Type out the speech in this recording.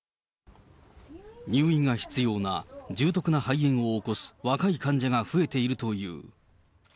入院が必要な重篤な肺炎を起こす若い患者が増えているという。